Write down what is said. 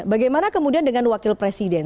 bagaimana kemudian dengan wakil presiden